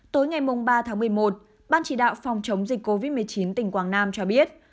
tối ngày ba tháng một mươi một ban chỉ đạo phòng chống dịch covid một mươi chín tỉnh quảng nam cho biết